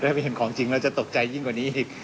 ถ้าไปเห็นของจริงแล้วจะตกใจยิ่งกว่านี้อีก